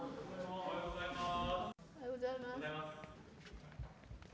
おはようございます。